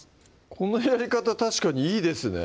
このやり方確かにいいですね